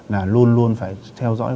là luôn luôn phải theo dõi